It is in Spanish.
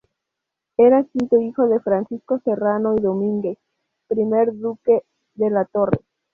Era quinto hijo de Francisco Serrano y Domínguez, primer duque de la Torre.